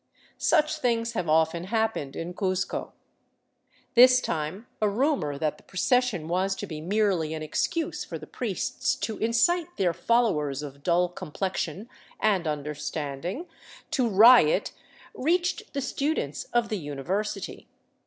Such things have often happened in Cuzco. This time a rumor that the procession was to be merely an excuse for the priests to incite their followers of dull complexion and under standing to riot reached the students of the university.